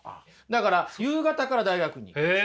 だから夕方から大学院に行くんです。